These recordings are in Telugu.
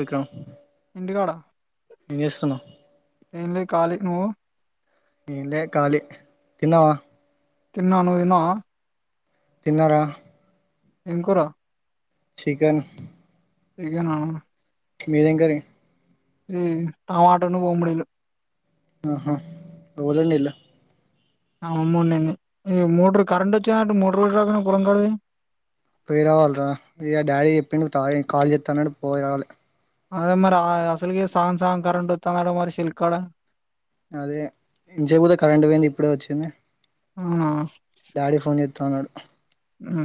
విక్రం ఏం చేస్తున్నావ్ ఎంలే కాలి నువ్వు ఎంలే కాలి తిన్నావ తిన్నా నువ్వు తిన్నావ తిన్నార ఏం కూర చికెన్ నిజంగానా మీదేం కర్రి టమాటోను బొమ్మిడీలు ఆహా ఎవలు లోండిల్లు మామవండింది ఇ మోటర్ కరెంట్ వచ్చాంటే మోటర్ ట రాకునా పొలం కాడకి పొయ్యి పోయి రావాలిరా ఇగ డాడి చెప్పిండు తాగి కాల్ చేస్తానాడు పోయిరావాలి అదే మరి అసలుకె సగం సగం కరెంట్ వస్తాంది సెలక్కాడ అదే ఇన్సేపు గూడ కరెంట్ పోయింది ఇప్పుడే వచ్ ఇనే అవునా డాడి ఫోన్ చెతన్నాడు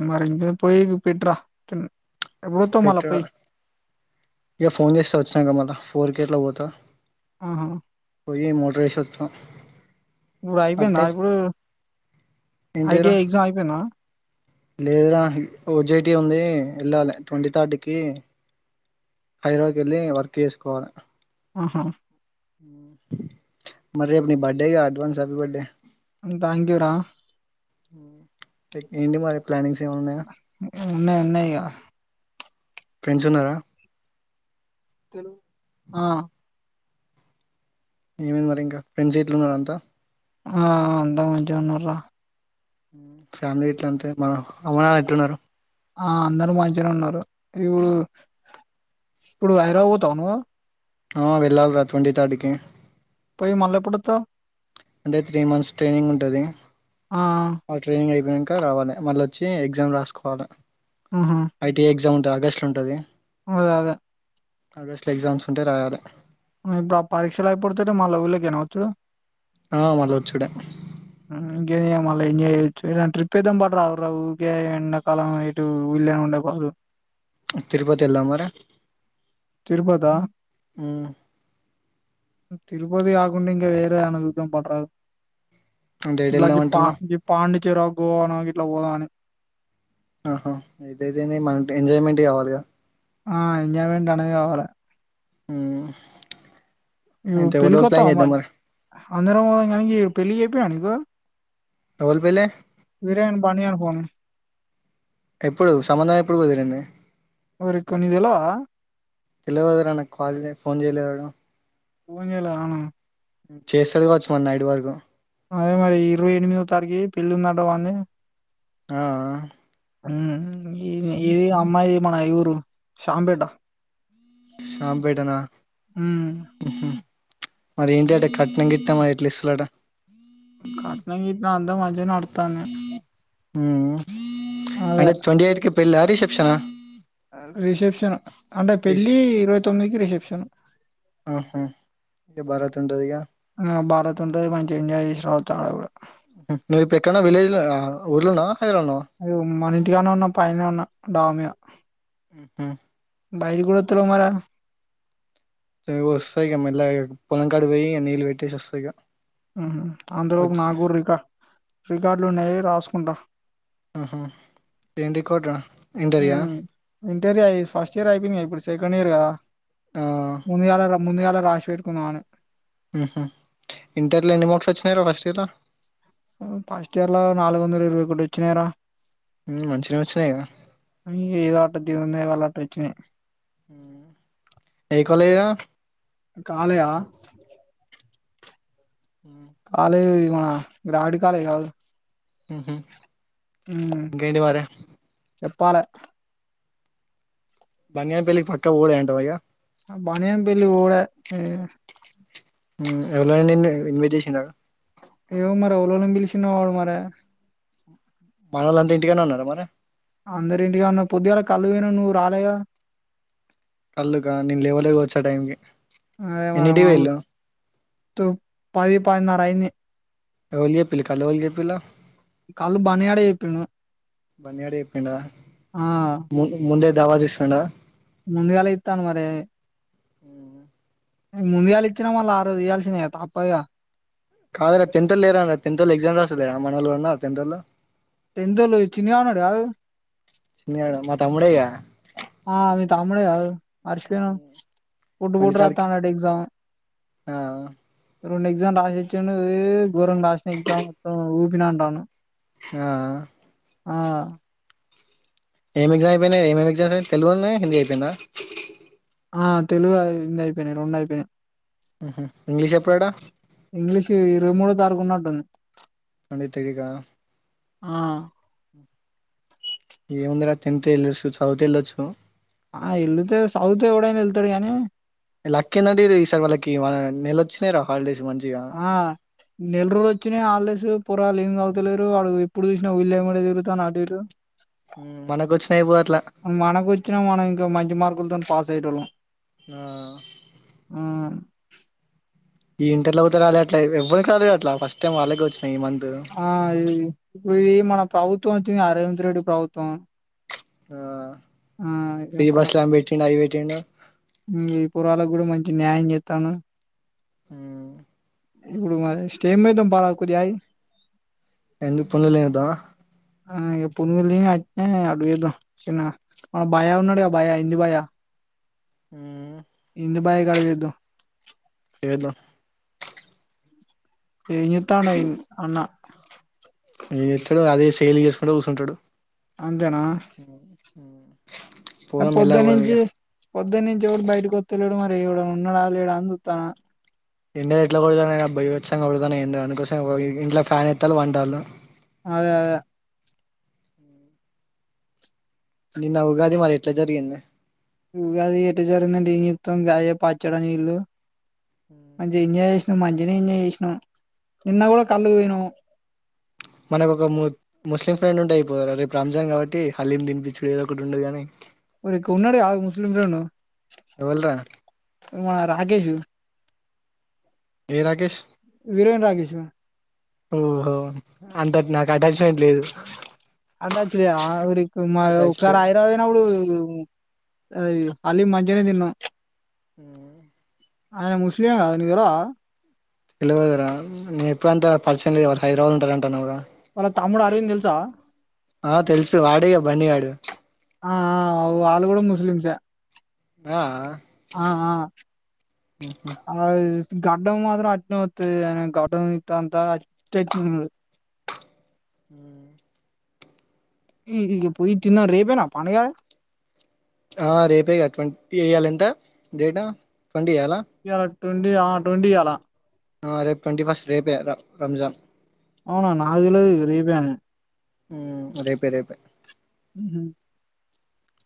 మరి ఇంకేం పోయి పెట్ర పెట్ర ఇగ ఫోను చేస్త వచ్చినంక మల్లా ఊరికికేట్ల పోత ఆహా పొయ్యి మోటార్ యేసోస్త ఇప్పుడు అయిపోయింద ఇప్పుడు ఏంటిదిరా ఐటిఐ ఎగ్జామ్ అయిపోయిందా లేదురా ఓజైటీ ఉంది వెళ్ళాలి ట్వంటీ థర్డ్ కి హైదరాబాద్ కి వెళ్ళి వర్క్ చేసుకోవాలె అహా మరి రేపు ని బర్డేగా అడ్వాన్స్ హ్యాపీ బర్డే హు ఉనాయి ఉనాయి ఇగ ఫ్రెండ్స్ ఉన్నారా తెలు ఆ ఏమైంది మరి ఇంక ఫ్రెండ్షిప్ తిన్నార అంత ఆ అంత మంచిగునారా ఫ్యామిలీ ఎట్లా అంతే మా అమ్మ నాన్న ఎట్లున్నారు ఆ అందరు మంచిగానే ఉన్నారు ఇప్పుడు ఇప్పుడు హైరా పోతావ నువ్వు ఆ వెళ్ళాలి రా ట్వంటీ థర్డ్ కి పోయి మల్ల ఎప్పుడు అతావ్ అంటే త్రీ మంత్స్ ట్రైనింగ్ ఉంటది ఆ వా ట్రైనింగ్ అయిపెంది క రావలి మళ్ళొచ్చి ఎగ్జామ్ రాసుకోవాలే ఉహు ఐటి ఎగ్జామ్ డ ఆగస్టు ల ఉంటది అదే అదే ఆగస్టు ల ఎగ్జామ్స్ ఉంటాయ్ రాయలె ఆ బ పరీక్షలు అయిపోతేనే మల్ల ఊర్లో కేన ఒచ్చుడు ఆ మల్లా వచ్చుడే ఏ మళ్ళ ఎంజాయ్ చేయొచ్చు ట్రిప్ ఏదాం పట్టా రాదు ఊర ఊకే ఎండకాలం ఇటు ఊలనే ఉండే బదులు తిరుపతి వెళదాం మరే తిరుపతా ఉ తిరుపతి గాకుంటే ఇంక వేర్ దా ఏమన్నా చూదాం పట్టరాదు అంటే ఎటు వెళ్దాం ఇలాగే అంటున్నావ్ ప పాండి [unintelligible] గోవనో ఇట్ల పోదాం అని ఆహా ఏదైతేనే మట్ ఎంజాయ్మెంట్ కావాలి గా ఆ ఎంజాయ్మెంట్ అనే కావలి ఉ నువ్ పెళ్ళి కొత్తవ మ అందరం [unintelligible] పెళ్లి కి చెప్పింరా నీకు ఎవలి పెళ్ళి వేరే గాని బన్నీ గాని పోను ఈ ఎప్పుడు సంబంధం ఎప్పుడు కుదిరింది ఓరికో నీకు తెలవదా తెలువదు రా నాకు కాల్ చే ఫోన్ చేయలేదు ఆడు ఫోన్ చేయలేదా అను చేస్తాడు కావచ్చు మరి నైట్ వరకు అదే మరి ఇరవై ఎనిమిదో తారకి పెళ్లి ఉంది ఆట వాంది ఆ ఆ ఉ ఈ ఇది అమ్మాయిది మన ఈ ఊరు షాంపేట షాంపెటనా ఉమ్ మరి ఏంటి అంట కట్నం గిట్ట మరి క్లిస్లట కట్నం గిట్నం అంత మంచే నడుతాంది ఊ అదే రిసెప్షనా రిసెప్షన్ అంటే రిష్ పెళ్ళి ఇరవై తొమ్మిదికి రిసెప్షన్ ఆహా ఇగ బరాత్ ఉంటది ఇగ న్ ఆ భారత్ ఉంటది మంచిగా ఎంజాయ్ చేసి రావచ్చు ఆడ కూడా ఊర్లోనా అది మన ఇంటిగానే ఉన్నా పైన ఉన్నా డోమియా ఆ ఉహూ బయటికి కూడా వత్తలేవ్ మరి వస్తా ఇక మెల్లగా పొలంకాడికి పోయి నీళ్ళు పెట్టేసి వస్తా ఇక ఉహూ అంతలోపు నాకు కూడా రికార్డు రికార్డులు ఉన్నాయి రాసుకుంటా ఆహ ఏం రికార్డు రా ఇంటరియా ఇంటర్యయి ఫస్ట్ ఇయర్ అయిపోయినాయి ఇప్పుడు సెకండ్ ఇయర్ కదా ఆ ముందుగల ముందుగాల్లే రాసిపెట్టు దామని ఉహూ ఇంటర్లు ఎన్ని మార్ట్స్ వచ్చినాయి రా వస్త ఉమ్ ఫస్ట్ ఇయర్ లో నాలుగు వందల ఇరవై ఒకటి వచ్చినాయిరా ఉమ్ మంచిగనే వచ్చినాయిగా నే వళ్లటు వచ్చినాయ్ ఏ కాలేజీ రా కాలేజీ ఆ ఉహు కాలే గ్రాడ్ కాలేజ్ కాదు ఉహూ ఉమ్ ఇంకేంటి మరి చెప్పాలే బంగారి పెళ్లికి పక్క పోవుడే అంటావ ఇగ బన్ని గాని పెళ్లికి పోవుడే ఉమ్ ఎవరు ఎల్లిండ్రు ఇన్విటేషన్ చి ఏమో మరి ఊర్లో వాళ్ళని పిలిచిన వాడు మరి మనో లంత ఇంటికాన్నే ఉన్నార మరి అందరు ఇంటిగానే పొద్దుగాల కళ్ళు కి పోయినాం నువ్వు రాలేగ కళ్ళుక నేను లేవులే వచ్చు ఆ టైమ్ కి [unintelligible] అదే మళ్ళీ మా ఉర్ తో పది [unintelligible] పదిన్నారా అయ్యింది ఎవల్ చెప్పిళ్ళు కళ్ళు ఇవ్వాలకి చెప్పిళ్ళు కళ్లు బన్ని గాడే చెప్పిండు బన్నీ గాడు ఆ దవత్ ఇస్థండా ముందుగాలె ఇత్తడు మరే ముందుగాయాల ఇచ్చినా మళ్ళీ ఆ రోజు ఇయాల్సిందే గ తప్పద్గా కాదురా తెంత్ ఒళ్ళు లేరరా అ టెంత్ ఒళ్ళు ఎగ్జామ్ రాస్తలేద మనోళ్లు ఉన్నారా సెంటర్లో టెన్త్ ఒళ్లు చిన్ని గాడు ఉన్నాడు గాదు చిన్ని గాడు మా తమ్ముడే గ ఆ మీ తమ్ముడే గా మర్చిపోయినావ్ పుట్ ట్వంటీ పుట్ థర్డ్ కి రాతాండట ఎగ్జామ్ ఆ రెండు ఎగ్జామ్ రాసొచ్చిండు ఏ గోరం రాసిన ఎగ్జామ్ మొత్తం ఊపిన అంటాండు ఆ ఆ ఏమి ఎగ్జామ్ అయ్యిపోయింది ఎం ఎం జాం తెలుగు ఉన్ను హిందీ అయ్యిపోయిందా ఆ తెలుగు అది హిందీ అయిపోయినాయి రెండు అయిపోయినాయి ఉహు ఇంగ్లీష్ ఎప్పుడట ఇంగ్లీష్ ఇరవై మూడ్ [unintelligible] తారీకు ఉన్నటుంది అని తైగా ఆ ఏముందిరా టెన్త్ వెళ్ళొచ్చు చదువుతే వెళ్ళొచ్చు ఆ ఎళ్ళితే సౌత్ ఎవడైన్ వెల్ తడు గాని లక్ ఏందంటే ఈ సార్ వాళ్ళకి వాళ్ళ నెల వచ్చినయి రా హాలిడేస్ మంచిగా ఆ నెల్ల రోజులు వచ్చినయి హల్ డేస్ పోరాళ్ళు ఏం అవుతలేరు వాడు ఎప్పుడు చూసినా ఊళ్లేమ్మటి తిరుగుతాండూ అటుఇటు మనకు వచ్చినాయిపోవు అట్లా మార్క్లతోని పాస్ అయ్యేటోల్లం ఆ ఈ ఇంటర్లో గుత రాలే అట్లా ఎవ్వరికి రాలేదురా అట్ల ఫస్ట్ టైం వాళ్ళకే వచ్చన ఆ ఇ ఇ మన ప్రభు వచ్చిందిగా రేవంత్ రెడ్డి ప్రభుత్వం ఆ ఉ ఫ్రీ చెప్పు రా బస్ లు ఆమె పెట్టిండు అవి పెట్టిండు ఇ పోరగాళ్లకు, ఇప్పుడు మంచి న్యాయం చేత్తాను ఉమ్, ఇప్పుడు మరి స్టేమ్ పోయిద్దాం పరాదు కొద్దిగా అగి ఎండు పునులు ఎద్దామా ఆ ఇగ పొనుగులు తిని అట్నే అటు పోయేదం చిన్నగా మన భయ్యా ఉన్నాడుగా భయ్యా హిందీ భయ్యా ఉమ్, హిందూ బాయ్ కాడ తిందాం పొయ్యొద్దం ఏం చేతాండో ఈ అన్న ఏం చేస్తాడు అదే సేల్ చేసుకుంటు కూసుంటాడు అంతేనా పోదాం మెల్లగా పోదాం ఇగ పొద్దన్నుంచి పొద్దన్నుంచి ఎవడు బయటకి వత్తలేడు మా ఎవడన్నా ఉన్నడ లేడా అని చూత్తన ఎండలు ఎట్ల కొడుతానై రా బీభత్సంగా కొడుతానే ఎండలు అందుకోసం ఇంట్లో ఫ్యాన్ వేత్తలి పంటలు అదే అదే నిన్న ఉగాది మరి ఎట్ల జరిగింది ఉగాది ఎట్ట జరిగింది అంటే ఏ చెప్తాం గాదె పచ్చడ నీళ్లు హు మంచిగా ఎంజాయ్ చేసినాం మంచిగనే ఎంజాయ్ చేసినం నిన్న కూడా కల్లుకు పోయినము మనకు ఒక ము ముస్లిం ఫ్రెండ్ ఉంటే అయిపోవుగదా రా రేపు రంజాన్ కాబట్టి హలీం తినిపిచ్చుడే ఏదో ఒ ఒకటుండు గానీ ఒరేకో ఉంన్నాడు కాదు ము [unintelligible] ఎవ్వలు రా మన రాకేష్ ఏ రాకేష్ వీరేన్ రాకేష్, అ ఓహో వాని తోటి నాకు అటాచ్మెంట్ లేదు అట్లాచ్చులే ఓరికి మా అటాచ్ లేదు అయ్యో హలీం మంచిగానే తిన్నాం ఊ ఆయన ముస్లిం కదా నీకు తెలవదా, తెల్వదురా నే ఇప్పుడంత పరిచయం లేదు హైదరాబాదులో ఉంటారంటనావ్ గా వాళ్ళ తమ్ముడు అరవింద్ తెలుసా ఆ తెలుసు వాడే బన్నీ గాడు ఆ అ వాళ్ళు కూడా ముస్లిమ్స్ ఆ ఆ ఆది గడ్డం మాత్రం అట్లనే వత్తది ఆయన గడ్డం ఇంతంత ఉ ఈ ఇగ పోయి తిందాం రేపేనా పండుగ ఆ రేపే ఇగ ట్వంటీ ఇయాల ఎంత డేటు ట్వంటీ ఇయ్యాల ట్వంటి ఆ ట్వంటీ ఇయ్యాల రేపు ట్వంటీ ఫస్ట్ రేపే రంజాన్ అవునా నాకు తెల్వదు రేపే అని ఉ రేపే రేపే ఉహు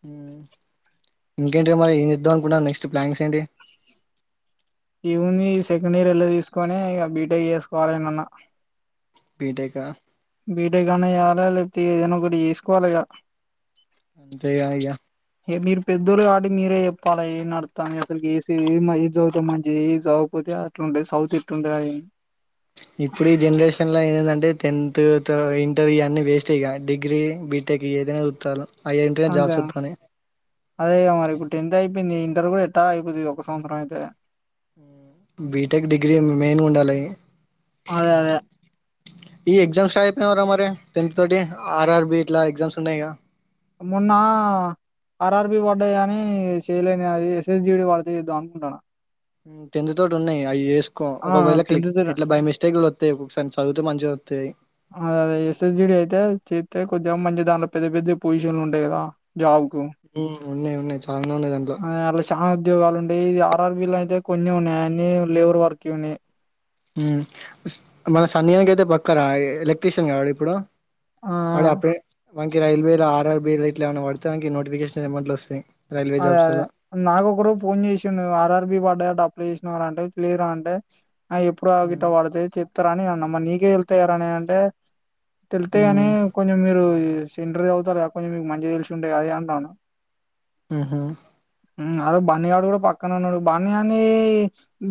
ఉ ఇంకేంటి మరి ఏం చేద్దాం అనుకుంటున్నావ్ నె నక్స్ట్ ప్లానింగ్స్ ఏంటి ఈ ఉంది సెకండ్ ఇయర్ ఎల్లతీసుకొని ఇగ బీటెక్ చేసుకోవాలి ఎల్లనన్న బీటెక బీటెక్ అన్న చేయాలి లేక ఏదైనా ఒకటి చేసుకోవాలిగా అంతేగా ఇగ పెద్దోలు కాబట్టి మీరే చెప్పాలే ఏం నడుతంది అసలుకి ఏస ఏ చదువుతే మంచిది ఏ చదవకపోతే అట్లుండేది చదువుతే ఇట్లుండేదనీ ఇప్పుడు ఈ జనరేషన్ ల ఏందంటే టెన్త్ త ఇంటర్ ఈ ఆన్నీ వేస్ట్ ఇగ డిగ్రీ బీటెక్ ఏదైనా చూత్తలు అంతేనా అదే ఇగ మరి ఇప్పుడు టెన్త్ అయిపోయింది ఇంటర్ కూడా ఎట్లా అయిపోది ఇది ఒక సంవత్సరం అయితే బీటెక్ డిగ్రీ మెయిన్ గ ఉండాలే అదే అదే ఈ ఎగ్జామ్స్ రాయపోయినవురా మరి టెన్త్ తోటి ఆర్ ఆర్ బి ఇట్లా ఎగ్జామ్స్ ఉన్నాయిగా మొన్న ఆర్ఆర్ బి పడ్డాది గని చేయలేనే అది ఎస్ఎస్ జీడి పడితే చేద్దాం అనుకుంటాన టెన్త్ తోటి ఉన్నాయి అయి చేసుకో ఆ ఒకవేళ క్లిక్ టెన్త్ త ఇట్లా బై మిస్టేక్లు అత్తయి ఒకసారి చదివితే మంచిగా తే అదే అదే ఎస్ఎస్ జిడి అయితే చెత్తే కొద్దిగా మంచిగా దాన్లో పెద్ద పెద్దయి పొజిషన్లు ఉంటాయి కదా జాబ్కు ఉన్నాయి ఉన్నాయి చూ ఆ అలా చాలా ఉద్యోగాలు ఉంటా ఏ ఇ ఆర్ఆర్బిలు అయితే కొన్ని ఉన్నాయి అని లేబర్ వర్క్ ఉన్నాయి ఊ స్ మన సన్నిగా నీకైతే అయితే పక్కరా ఎలక్ట్రీషియన్ కాడు ఇప్పుడు ఆ వాడు అప్పుడే వానీ ఈ రైల్వేల ఆర్ ఆర్ బి రేట్నా ఏమైన పడితే ఆనికి నోటిఫికేషన్ ఏమోట్లు వస్తుంది అదే అదే నాక ఒక రోజు ఫోన్ చేసిా ఆర్ఆర్బి పడయట అప్లై చేసి ఆ రా అంటే ప్రీ రా అంటే ఆ ఇప్పుడు అవి గిట్ట మ్మ్ వడతే చెప్ రాణి అన్న అమ్మ నీకే ఎల తే రాి అని అంటే తెళ్తే గని మ్మ్ఉహ్మ్ కొంచెం మీరు [unintelligible] ఊ హూ ఊ అరోజు బన్నీగాడు కూడా పక్కన ఉన్నాడు బన్నిగాన్ని అని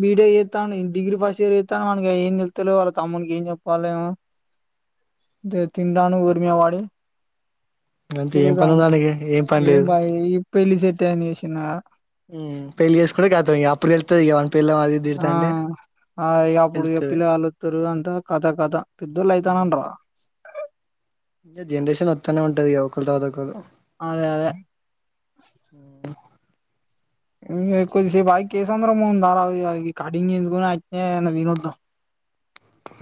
బీటెక్ చేస్తాను డిగ్రీ ఫస్ట్ ఇయర్ చేస్తాను మనకి ఏం నిళ్తలే వాళ్ళ తమ్ముకి ఏం చెప్పాలమో తీ తింటడాను ఊరిమీద పడి అంతే ఏం పని తిరుగుతాండు ఉందానికి ఏం పని లేదు బాయ్ ఈ పెళ్లి సెట్ అని చేసిన ఊ పెళ్లి చేసు కుంటే కతాం ఇక అప్పుడు తెలుతది వాని పెళ్ళాం అది ఇది ఆ తిడతాంటీ తెలుత ది ఉ కద కదా పెద్దోళ్ళు అయితానంటా రా ఇ జనరేసన్ ఒత్తనే ఉంటది ఇగ అవుతదా కాదా [unintelligible] అదే అదే ఇ ఎక్కుద్దిసేపుయి కేసు అందర మం దార కటింగ్ చేయించుకుని అట్లే ఏమన్నా తినొద్దాం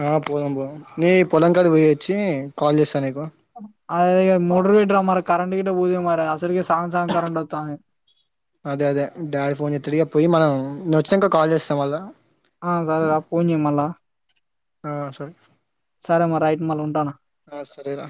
ఆ పోదాం పోదం నీ పొలంకాడి పోయి వచ్చి కాల్ చేస్తా నీ [unintelligible] ఆ ఇగ మూడ్రోజుల ఇట్రా మన కరెంట్ గిట్ట బోతే మరి అసల్కే సగం సగం కరంట్ వొత్తాంది అదే అదే డాడ్ ఫోన్ జేత్తడిగా పోయి మనం నువ్ ఒచ్సింక కాల్ చేస్తా మల్లా ఆ సరేరా ఫోన్ జేయ్ మళ్ళా ఆ సరే సరే మరై మల్ ఉంటాన ఆ సరేరా